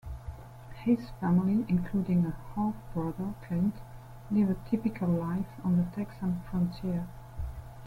His family, including a half-brother, Clint, live a typical life on the Texan frontier.